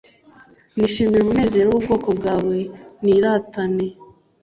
Nishimire umunezero w ubwoko bwawe Niratane